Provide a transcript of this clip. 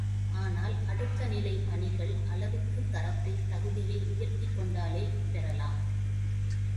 ஆனால் அடுத்த நிலைப் பணிகள் அளவுக்கு தரத்தை தகுதியை உயர்த்திக்கொண்டாலே பெறலாம்.